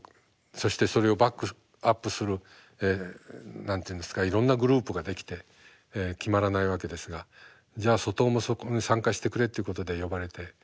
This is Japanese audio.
そしてそれをバックアップする何て言うんですかいろんなグループができて決まらないわけですがじゃあ外尾もそこに参加してくれっていうことで呼ばれて参加しました。